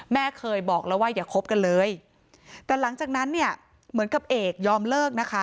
แม่เคยบอกแล้วว่าอย่าคบกันเลยแต่หลังจากนั้นเนี่ยเหมือนกับเอกยอมเลิกนะคะ